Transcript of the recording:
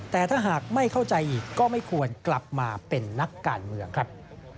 แต่ถ้าหากไม่เข้าใจอีกก็ไม่ควรกลับมาเป็นนักการเมืองครับ